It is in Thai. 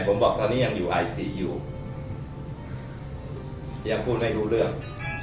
ผมบอกตอนนี้ยังอยู่ไอซีอยู่ยังพูดไม่รู้เรื่อง